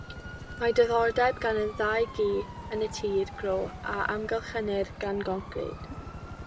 Mae diddordeb gan y ddau gi yn y tir gro a amgylchynir gan goncrid.